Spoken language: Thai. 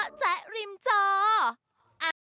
โปรดติดตามตอนต่อไป